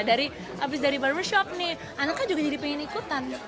dari abis dari barbershop nih anaknya juga jadi pengen ikutan